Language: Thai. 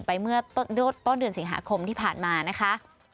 เมื่อต้นเดือนสิงหาคมที่ผ่านมานะคะ